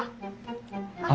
あっ。